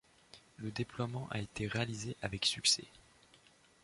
Le déploiement a été réalisé avec succès.